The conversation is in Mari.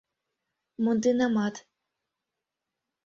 Монденамат.